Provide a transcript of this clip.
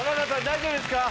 大丈夫ですか？